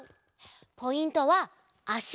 ポイントはあし。